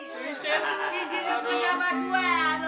kincinnya punya abang gue